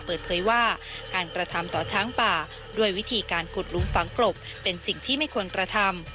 เปิดเผยว่าการกระทำต่อช้างป่าด้วยวิธีการขุดหลุมฝังกลบเป็นสิ่งที่ไม่ควรกระทำ